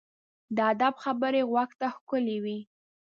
د ادب خبرې غوږ ته ښکلي وي.